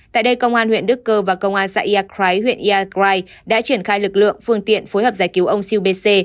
tại đây công an huyện đức cơ và công an xã yà crái huyện yà crái đã triển khai lực lượng phương tiện phối hợp giải cứu ông siêu b c